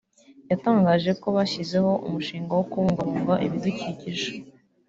yatangaje ko bashyizeho umushinga wo kubungabunga ibidukikije